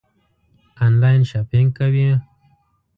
آنلاین شاپنګ کوئ؟